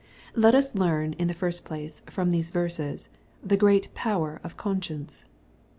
Let us learn, in the first place, from these verses, the great power of conscience.